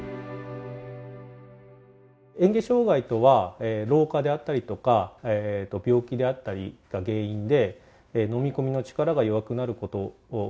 嚥下障がいとは老化であったりとか病気であったりが原因で飲み込みの力が弱くなることを嚥下障がいといいます。